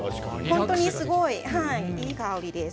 本当にすごいいい香りです。